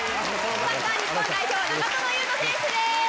サッカー日本代表長友佑都選手です。